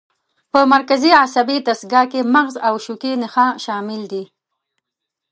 په مرکزي عصبي دستګاه کې مغز او شوکي نخاع شامل دي.